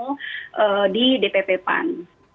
dan hari ini langsung bertemu di dpp pan